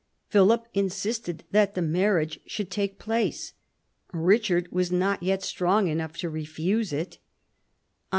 Philip insisted that the marriage should take place. Eichard was not yet strong enough to refuse it. On S.